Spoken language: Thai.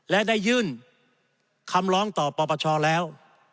และได้ยื่นคำร้องต่อปปชแล้ว